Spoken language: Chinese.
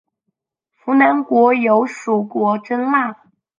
扶南国有属国真腊。